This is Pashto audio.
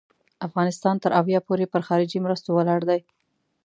افغانستان تر اویا پوري پر خارجي مرستو ولاړ دی.